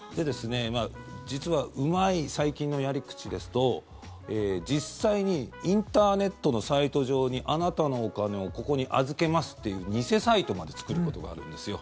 実はうまい、最近のやり口ですと実際にインターネットのサイト上にあなたのお金をここに預けますっていう偽サイトまで作ることがあるんですよ。